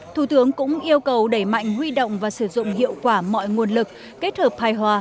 thủ tướng cũng yêu cầu đẩy mạnh huy động và sử dụng hiệu quả mọi nguồn lực kết hợp hài hòa